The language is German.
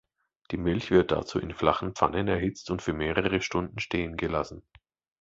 Die Milch wird dazu in flachen Pfannen erhitzt und für mehrere Stunden stehen gelassen.